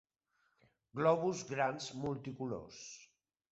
Globus grans multicolors.